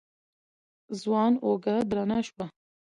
ځوان اوږه درنه شوه.